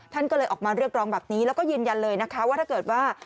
ท่านก็เลยออกมาเรียกร้องแบบนี้แล้วก็ยืนยันเลยนะคะว่าถ้าเกิดว่า